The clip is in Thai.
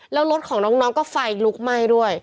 แล้วรถของน้องก็ไฟลุกไหม้ด้วย